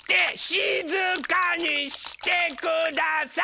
しずかにしてください！